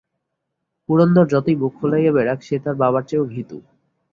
পুরন্দর যতই বুক ফুলাইয়া বেড়াক সে তার বাবার চেয়েও ভিতু।